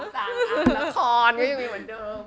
ละครไม่อย่างเดิม